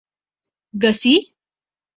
گسی